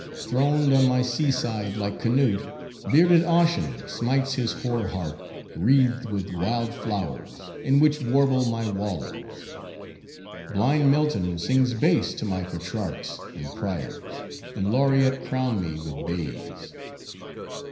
Throned on my seaside, like Canute, bearded Ossian smites his hoar harp, wreathed with wild flowers, in which warble my Wallers; blind Milton sings bass to my Petrarchs and Priors, and laureate crown me with bays.